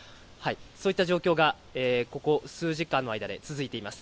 そういった状況がここ数時間の間で続いています。